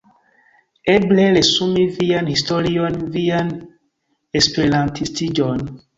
Eble resumi vian historion, vian esperantistiĝon.